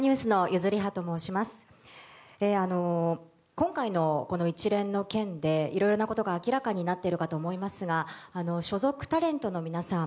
今回の一連の件でいろいろなことが明らかになっているかと思いますが所属タレントの皆さん